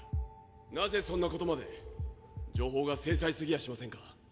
なぜそんなことまで情報が精細すぎやしませんか！？